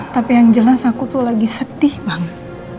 tapi yang jelas aku tuh lagi sedih banget